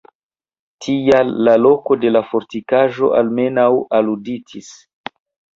Tial la loko de la fortikaĵo almenaŭ aluditis.